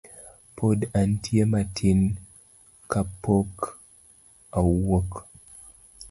Pod antie matin kapok awuok.